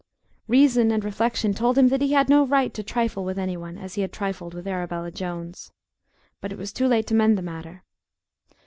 Reason and reflection told him that he had no right to trifle with any one as he had trifled with Arabella Jones. But it was too late to mend the matter.